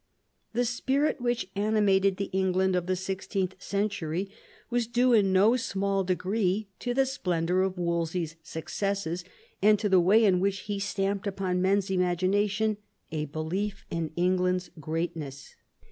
The spirit which animated the England of the sixteenth century was due in no small degree to the splendour of Wolse/s successes, and to the way in which he stamped upon men's imagination a belief in England's greatness.